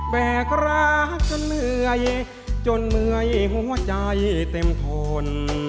แบกรักจนเหนื่อยจนเหนื่อยหัวใจเต็มทน